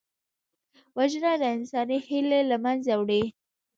وژنه د انساني هیلې له منځه وړي